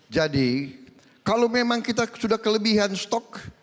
jadi kalau memang kita sudah kelebihan stok